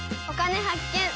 「お金発見」。